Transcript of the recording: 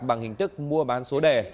bằng hình tức mua bán số đề